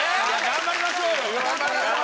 頑張りましょう！